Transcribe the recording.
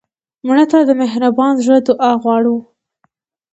مړه ته د مهربان زړه دعا غواړو